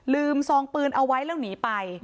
ซองปืนเอาไว้แล้วหนีไป